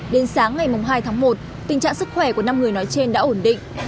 đến sáng ngày hai tháng một tình trạng sức khỏe của năm người nói trên đã ổn định